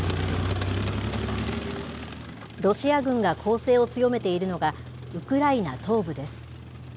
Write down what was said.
ロシア軍が攻勢を強めているのが、ウクライナ東部です。